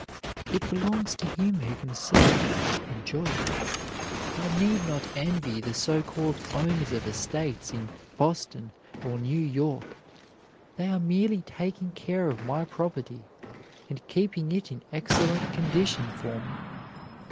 It belongs to him who can see it, enjoy it. I need not envy the so called owners of estates in Boston or New York. They are merely taking care of my property and keeping it in excellent condition for me.